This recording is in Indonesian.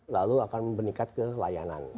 lalu akan meningkat ke layanan